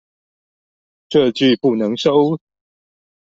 這句不能收